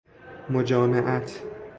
مجامعت